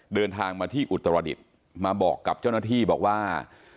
เดินทางมาที่อุตรดิษฐ์มาบอกกับเจ้าหน้าที่บอกว่า